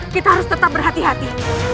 kita harus tetap berhati hati